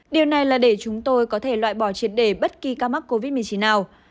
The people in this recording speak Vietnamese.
điều này là để chúng tôi có thể loại bỏ triệt đề bất kỳ ca mắc covid một mươi chín nào